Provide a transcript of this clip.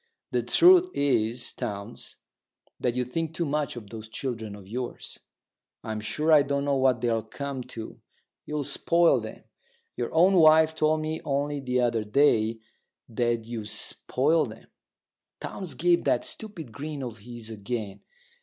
The truth is, Townes, that you think too much of those children of yours. I'm sure I don't know what they'll come to. You'll spoil 'em. Your own wife told me only the other day that you spoilt 'em." Townes gave that stupid grin of his again.